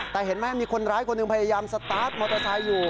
แต่เห็นไหมมีคนร้ายคนหนึ่งพยายามสตาร์ทมอเตอร์ไซค์อยู่